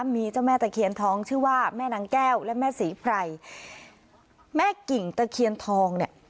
มีเจ้าแม่ตะเคียนทองชื่อว่าแม่นางแก้วและแม่ศรีไพรแม่กิ่งตะเคียนทองเนี่ย